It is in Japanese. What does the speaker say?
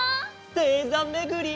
せいざめぐり！